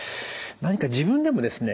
何か自分でもですね